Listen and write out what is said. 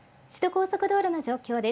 首都高速道路の状況です。